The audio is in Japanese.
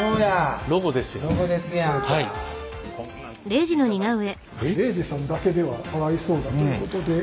礼二さんだけではかわいそうだということで。